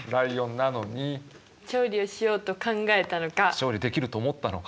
調理できると思ったのか？